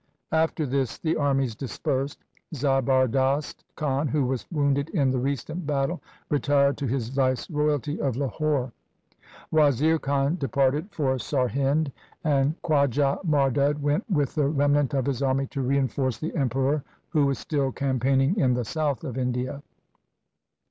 After this the armies dispersed. Zabardast Khan who was wounded in the recent battle retired to his viceroyalty of Lahore. Wazir Khan departed LIFE OF GURU GOBIND SINGH 191 for Sarhind, and Khwaja Mardud went with the remnant of his army to reinforce the Emperor who was still campaigning in the south of India.